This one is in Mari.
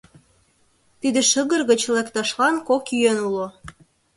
Тиде шыгыр гыч лекташлан кок йӧн уло.